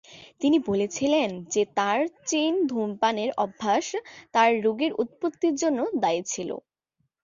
তিনি বলেছিলেন যে তাঁর চেইন ধূমপানের অভ্যাস তার রোগের উৎপত্তির জন্য দায়ী ছিল।